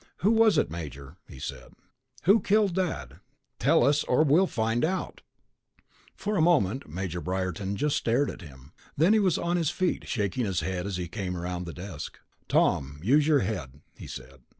"Who was it, Major?" he said. "Who killed Dad? Tell us, or we'll find out!" 2. Jupiter Equilateral For a moment, Major Briarton just stared at him. Then he was on his feet, shaking his head as he came around the desk. "Tom, use your head," he said.